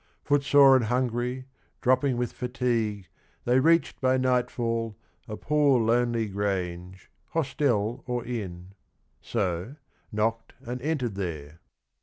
Foot sore and hungry, dropping with fatigue, They reached by nightfall a poor lonely grange, Hostel or inn; so, knocked and entered there.